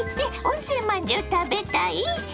温泉まんじゅう食べたい？